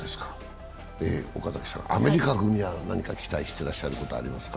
アメリカ組は何か期待していることはありますか？